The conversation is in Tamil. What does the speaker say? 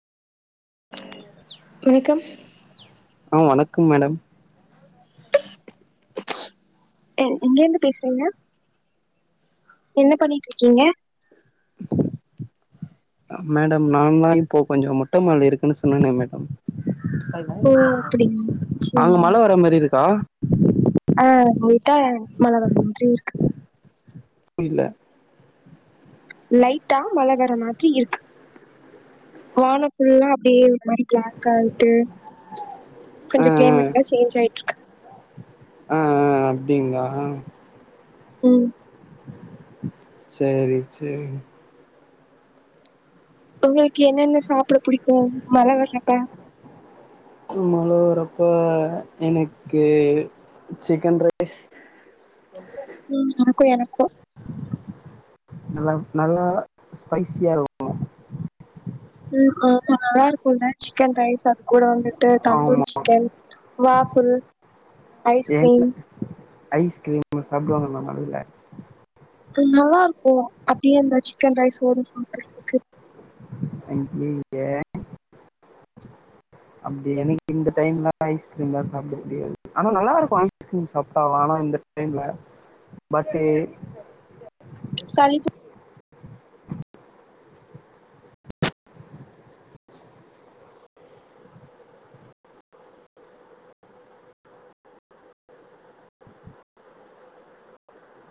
வணக்கம் ஆ வணக்கம் மேடம் எங் எங்கெர்ந்து பேசுறீங்க என்ன பண்ணிட்ருக்கீங்க மேடம் நான் தா இப்போ கொஞ்சொ மொட்ட மாடில இருக்கெனு சொன்னனே மேடம் ஓ அப்படிங்களா சரி அங்க மழ வர மாரி இருக்கா ஆ மழவர மாதிரி இருக்கு புரில லைட்டா மழ வர மாத்ரி இருக்கு வான ஃபுல்லா அப்டியே ஒ மாரி பிளாக்காயிட்டு ஆ கொஞ்சொ ஆ க்ளைமேட்லா சேஞ்ச் ஆயிட்ருக்கு ஆ ஆ அ அப்டிங்ளா உம் சேரி சேரி உங்களுக்கு என்னென்ன சாப்ட புடிக்கு மழ வர்றப்ப மழ வரப்ப எனக்கு சிக்கன் ரைஸ் உம் எனக்கு எனக்கு நல்லா நல்லா ஸ்பைஸியா இருக்கனு உம் ஆமா நல்லாருக்குல்ல சிக்கன் ரைஸ் அது கூட வந்து டு தந்தூரி ஆமா சிக்கன் வாஃபுல் ஐஸ்கிரீம் ஐஸ்க்ரீம சாப்டுவாங்க ம மழைல நல்லாதாருக்கூ அப்டியே அந்த சிக்கன் ரைஸ்ஸோட சாப்புர்றதுக்கு அங்யய்ய அப்டி எனக்கு இந்த டைம்ல ஐஸ்க்ரீம்லா சாப்ட முடியாது ஆனா நல்லாருக்கூ ஐஸ்க்ரீம் சாப்ட்டா ஆனா இந்த டைம்ல பட்டு சளிப்பு